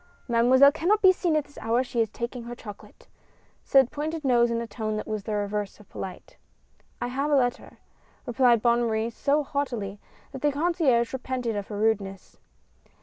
" Mademoiselle cannot be seen at this hour, she is MADEMOISELLE BESLIN. 69 taking her chocolate," said Pointed Nose in a tone that was the reverse of polite. " I have a letter," replied Bonne Marie so haughtily that the concierge repented of her rudeness.